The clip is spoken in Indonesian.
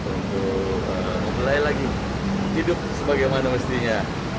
untuk memulai lagi hidup sebagaimana mestinya